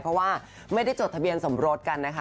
เพราะว่าไม่ได้จดทะเบียนสมรสกันนะคะ